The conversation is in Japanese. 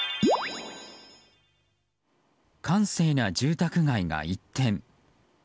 閑静な住宅街が一転。